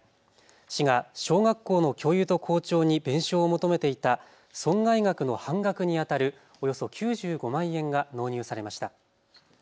市が小学校の教諭と校長に弁償を求めていた損害額の半額にあたるおよそ９５万円が納入されました。